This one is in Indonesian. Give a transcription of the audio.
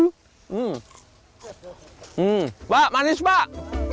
hmm pak manis pak